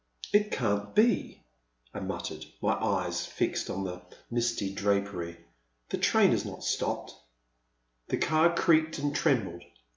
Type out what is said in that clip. It can't be,'* I muttered, my eyes fixed on the misty drapery, the train has not stopped." The car creaked and trembled.